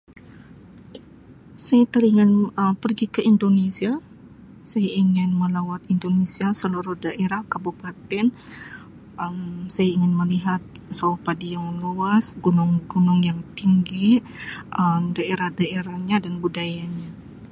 Saya teringin Um pergi ke Indonesia saya ingin melawat Indonesia seluruh daerah kabupaten Um saya ingin melihat sawah padi yang luas gunung-gunung yang tinggi Um daerah-daerahnya dan budaya nya.